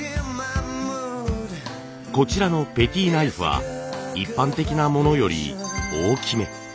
こちらのペティナイフは一般的なものより大きめ。